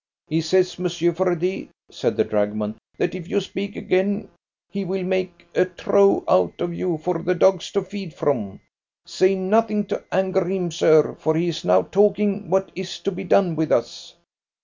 "He says, Monsieur Fardet," said the dragoman, "that if you speak again he will make a trough out of you for the dogs to feed from. Say nothing to anger him, sir, for he is now talking what is to be done with us."